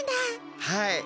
はい。